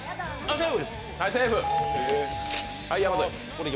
セーフ。